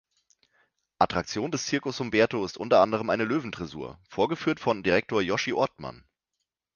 Attraktion des Circus Humberto ist unter anderem eine Löwen-Dressur, vorgeführt von Direktor Joschi Ortmann.